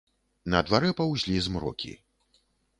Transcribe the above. На дварэ паўзлі змрокі.